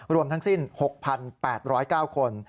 รวมทั้งสิ้น๖๘๐๙คน